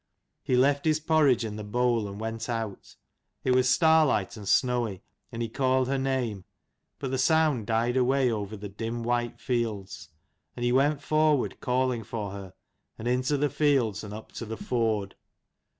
He left his porridge in the bowl and went out. It was starlight, and snowy, and he called her name. But the sound died away over the dim white fields : and he went forward calling for her, and into the fields and up to the ford.